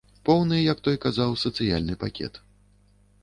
Поўны, як той казаў, сацыяльны пакет.